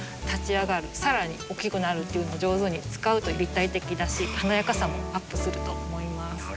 立ち上がるさらに大きくなるっていうの上手に使うと立体的だし華やかさもアップすると思います。